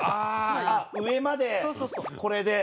あっ上までこれで。